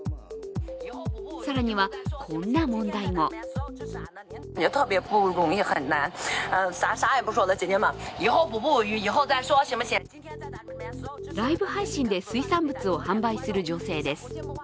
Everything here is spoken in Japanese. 更には、こんな問題もライブ配信で水産物を販売する女性です。